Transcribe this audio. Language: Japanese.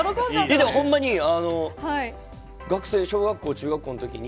え、でも、ほんまに、学生、小学校、中学校のときに、